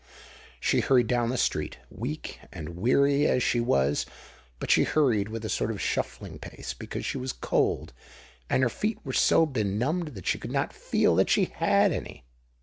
She hurried down the street, weak and weary as she was;—but she hurried, with a sort of shuffling pace, because she was cold, and her feet were so benumbed that she could not feel that she had any!